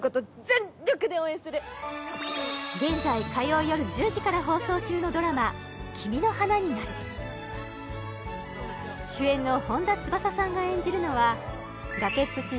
全力で応援する現在火曜夜１０時から放送中のドラマ「君の花になる」主演の本田翼さんが演じるのは崖っぷち